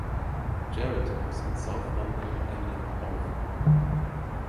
Jarrett wuchs in South London, England auf.